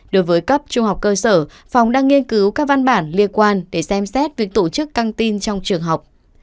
đối với cấp trung học cơ sở phòng đang nghiên cứu các văn bản liên quan để xem xét việc tổ chức căng tin trong trường học